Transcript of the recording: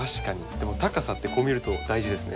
でも高さってこう見ると大事ですね。